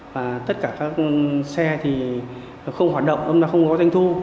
và tất cả các xe thì không hoạt động không có danh thu